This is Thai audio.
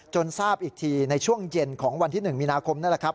ทราบอีกทีในช่วงเย็นของวันที่๑มีนาคมนั่นแหละครับ